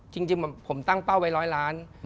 จริงผมตั้งเป้าไว้๑๐๐ล้าน